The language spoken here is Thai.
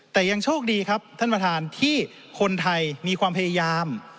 แต่ยังโชคดีครับท่านประธานที่คนไทยมีความพยายาม